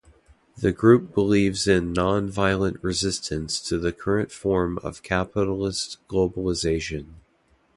The group believes in non-violent resistance to the current form of capitalist globalisation.